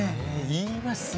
言います。